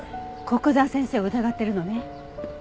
古久沢先生を疑ってるのね。